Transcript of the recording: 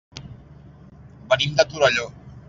Venim de Torelló.